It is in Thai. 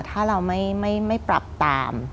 ถ้าเราไม่ปรับตาม